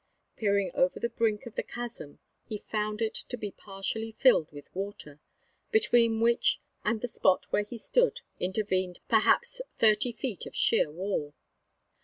Peering over the brink of the chasm he found it to be partially filled with water, between which and the spot where he stood intervened perhaps thirty feet of sheer wall.